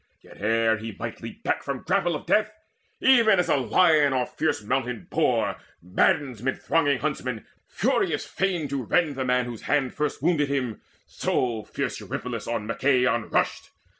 Yet, ere he might leap back from grapple of death, Even as a lion or fierce mountain boar Maddens mid thronging huntsmen, furious fain To rend the man whose hand first wounded him; So fierce Eurypylus on Machaon rushed.